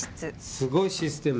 すごいシステム。